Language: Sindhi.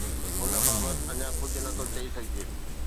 ان بابت اڃا ڪجهه نٿو چئي سگهجي.